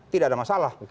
tidak ada masalah